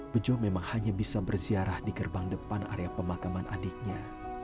bejo memang hanya bisa berziarah di gerbang depan area pemakaman adiknya